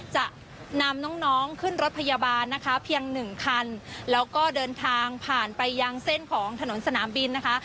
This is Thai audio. จะนำน้องน้องขึ้นรถพยาบาลนะคะเพียงหนึ่งคันแล้วก็เดินทางผ่านไปยังเส้นของถนนสนามบินนะคะ